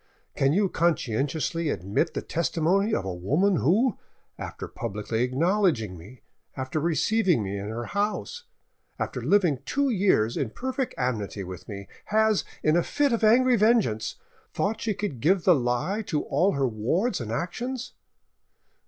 Can you conscientiously admit the testimony of a woman who, after publicly acknowledging me, after receiving me in her house, after living two years in perfect amity with me, has, in a fit of angry vengeance, thought she could give the lie to all her wards and actions?